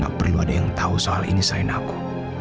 gak perlu ada yang tahu soal ini selain aku